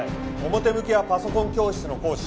表向きはパソコン教室の講師。